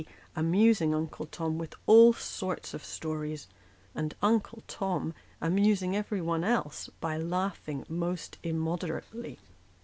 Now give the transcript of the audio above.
amusing Uncle Tom with all sorts of stories, and Uncle Tom amusing every one else by laughing most immoderately.